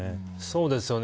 そうですよね。